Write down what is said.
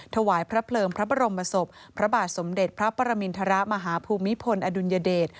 ถวายพระเพลิงพระบรมศพพระบาทสมเด็จพระปรมินทรมาฮภูมิพลอดุลยเดช